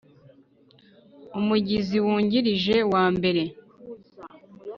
Umugizi wungirije wa mbere